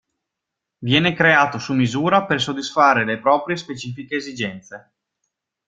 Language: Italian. Viene creato su misura per soddisfare le proprie specifiche esigenze.